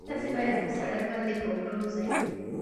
تاسي باید په سړک باندې په ورو ځئ.